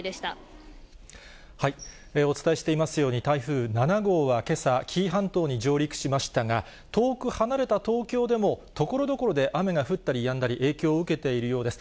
お伝えしていますように、台風７号はけさ、紀伊半島に上陸しましたが、遠く離れた東京でも、ところどころで雨が降ったりやんだり、影響を受けているようです。